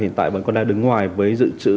hiện tại vẫn còn đang đứng ngoài với dự trữ